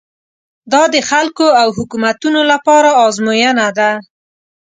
دا د خلکو او حکومتونو لپاره ازموینه ده.